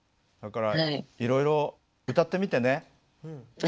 だからいろいろ歌ってみてね。